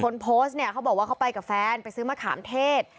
คนโพสต์เนี่ยเขาบอกว่าเขาไปกับแฟนไปซื้อมะขามเทศ